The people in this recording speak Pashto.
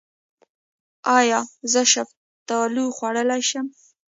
ایا زه شفتالو خوړلی شم؟